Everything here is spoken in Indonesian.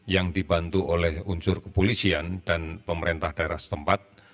yang dibantu oleh unsur kepolisian dan pemerintah daerah setempat